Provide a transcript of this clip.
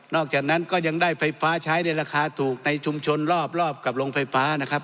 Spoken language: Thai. อกจากนั้นก็ยังได้ไฟฟ้าใช้ในราคาถูกในชุมชนรอบกับโรงไฟฟ้านะครับ